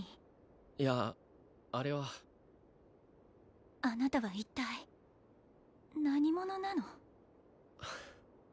いやあれはあなたは一体何者なの？